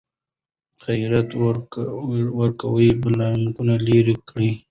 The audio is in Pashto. خیرات ورکول بلاګانې لیرې کوي.